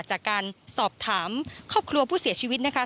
จากการสอบถามครอบครัวผู้เสียชีวิตนะคะ